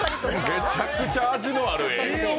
めちゃくちゃ味のある。